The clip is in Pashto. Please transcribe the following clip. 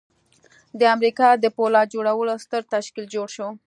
د امریکا د پولاد جوړولو ستر تشکیل جوړ شو